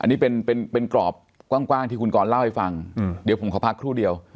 อันนี้เป็นเป็นเป็นกรอบกว้างกว้างที่คุณกรเล่าให้ฟังอืมเดี๋ยวผมขอพักครู่เดียว